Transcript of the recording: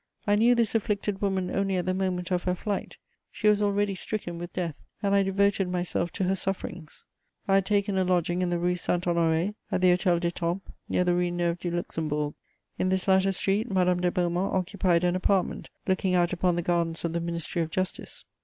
I knew this afflicted woman only at the moment of her flight; she was already stricken with death, and I devoted myself to her sufferings. I had taken a lodging in the Rue Saint Honoré, at the Hôtel d'Étampes, near the Rue Neuve du Luxembourg. In this latter street, Madame de Beaumont occupied an apartment looking out upon the gardens of the Ministry of Justice.